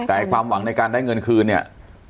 แต่ความหวังในการได้เงินคืนเนี่ย